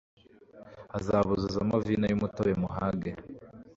azabuzuzamo vino y' umutobe muhage.